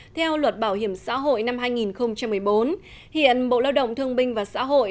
theo luật bảo hiểm xã hội năm hai nghìn một mươi bốn hiện bộ lao động thương binh và xã hội